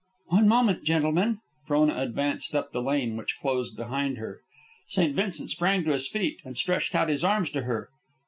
"One moment, gentlemen." Frona advanced up the lane, which closed behind her. St. Vincent sprang to his feet and stretched out his arms to her.